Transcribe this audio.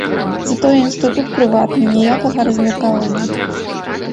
Затое інстытут прыватны, ніякага размеркавання!